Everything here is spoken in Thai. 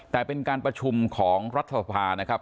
แต่เป็นการประชุมของรัฐสภานะครับ